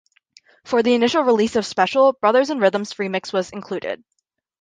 For the initial release of "Special", Brothers in Rhythm's remix was included.